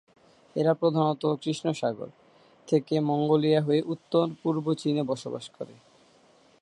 এরা প্রধানত কৃষ্ণ সাগর, থেকে মঙ্গোলিয়া হয়ে উত্তর-পূর্ব চীনে বসবাস করে।